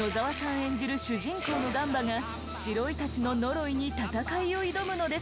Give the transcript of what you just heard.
演じる主人公のガンバが白イタチのノロイに戦いを挑むのですが。